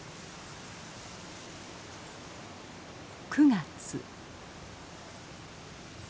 ９月。